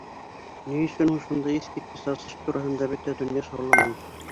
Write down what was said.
Ни өсөн һуң шундай иҫ киткес асыш тураһында бөтә донъя шауламай?